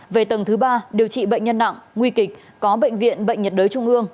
về tầng thứ ba điều trị bệnh nhân nặng nguy kịch có bệnh viện bệnh nhiệt đới trung ương